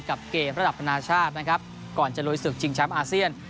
กับเกมระดับอนาชาตินะครับก่อนจะลุยศึกชิงแชมป์อาเซียน